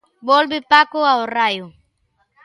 Volve Paco ao Raio.